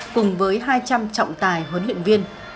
cùng với hai trăm linh trọng tài huấn luyện viên